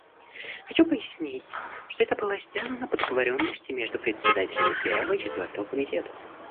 Хочу пояснить, что это было сделано по договоренности между председателями Первого и Четвертого комитетов.